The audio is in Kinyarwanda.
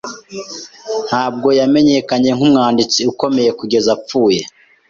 Ntabwo yamenyekanye nkumwanditsi ukomeye kugeza apfuye.